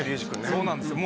そうなんですよ